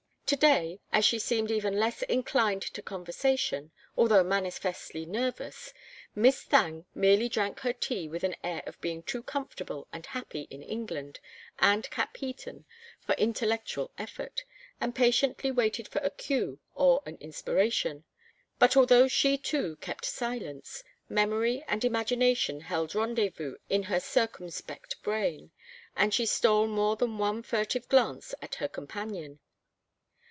To day, as she seemed even less inclined to conversation, although manifestly nervous, Miss Thangue merely drank her tea with an air of being too comfortable and happy in England and Capheaton for intellectual effort, and patiently waited for a cue or an inspiration. But although she too kept silence, memory and imagination held rendezvous in her circumspect brain, and she stole more than one furtive glance at her companion.